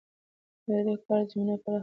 ده د کار زمينه پراخه کړې وه.